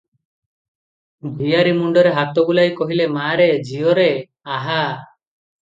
ଝିଆରୀ ମୁଣ୍ତରେ ହାତ ବୁଲାଇ କହିଲେ, "ମା'ରେ, ଝିଅରେ, ଆହା!